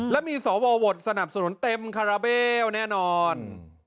และมีสวโหวตสนับสนุนเต็มคาราเบลแน่นอน